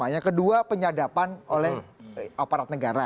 yang kedua penyadapan oleh aparat negara